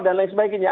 dan lain sebagainya